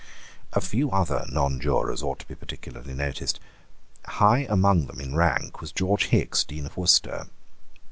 A few other nonjurors ought to be particularly noticed. High among them in rank was George Hickes, Dean of Worcester.